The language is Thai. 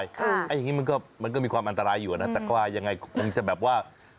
อย่างนี้มันก็มีความอันตรายอยู่นะแต่ว่ายังไงคงจะแบบว่า